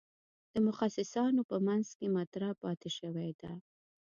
د متخصصانو په منځ کې مطرح پاتې شوې ده.